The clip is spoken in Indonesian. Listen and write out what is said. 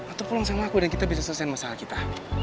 atau pulang sama aku dan kita bisa selesaikan masalah kita